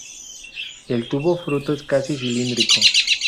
El tubo fruto es casi cilíndrico.